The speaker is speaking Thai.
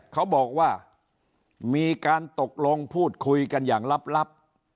เขาบอกว่ามีการตกลงพูดคุยกันอย่างลับ